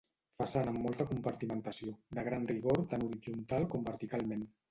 Façana amb molta compartimentació, de gran rigor tan horitzontal com verticalment.